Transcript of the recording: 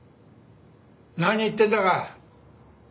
何言ってんだか。